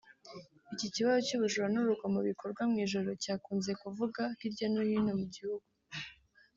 Ikibazo cy’ubujura n’urugomo bikorwa mu ijoro cyakunze kuvuga hirya no hino mu gihugu